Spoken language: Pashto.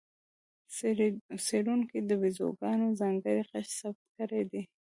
څېړونکو د بیزوګانو ځانګړی غږ ثبت کړی دی.